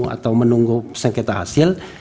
atau menunggu sengketa hasil